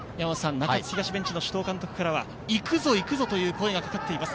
首藤監督からは行くぞ行くぞという声がかかっています。